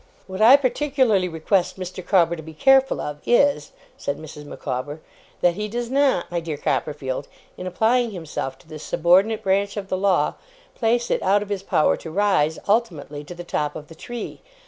'What I particularly request Mr. Micawber to be careful of, is,' said Mrs. Micawber, 'that he does not, my dear Mr. Copperfield, in applying himself to this subordinate branch of the law, place it out of his power to rise, ultimately, to the top of the tree.